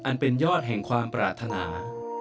เป็นยอดแห่งความปรารถนา